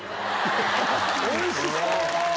「おいしそう！」。